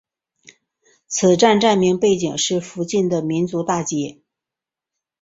此站站名背景是附近的民族大街。